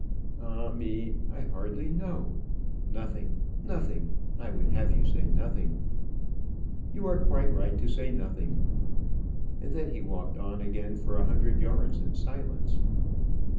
"Ah me! I hardly know. Nothing nothing I would have you say nothing. You are quite right to say nothing." And then he walked on again for a hundred yards in silence.